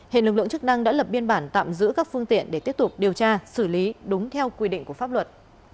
hiện lực lượng chức năng đã lập biên bản tạm giữ các phương tiện để tiếp tục điều tra xử lý đúng theo quy định của pháp luật